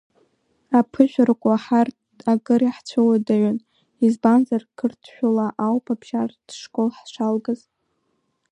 Аԥышәарақәа ҳарҭ акыр иаҳцәыуадаҩын, избанзар, қырҭшәала ауп абжьаратә школ ҳшалгаз.